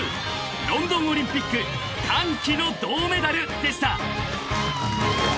ロンドンオリンピック歓喜の銅メダルでした］